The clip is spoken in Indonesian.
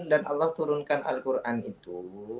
dan allah turunkan al quran itu